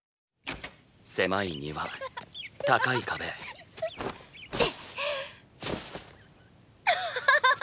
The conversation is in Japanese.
狭い庭高い壁アッハハハハ！